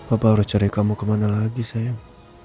apa harus cari kamu kemana lagi sayang